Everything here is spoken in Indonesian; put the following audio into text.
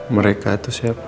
mereka itu siapa